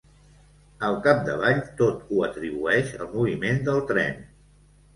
Al capdavall, tot ho atribueix al moviment del tren.